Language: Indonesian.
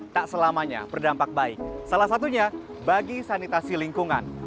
tak selamanya berdampak baik salah satunya bagi sanitasi lingkungan